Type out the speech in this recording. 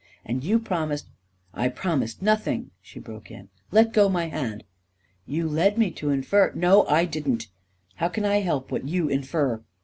And you promised ..."" I promised nothing! " she broke in. " Let go my hand !"" You led me to infer ..."" No, I didn't I How can I help what you infer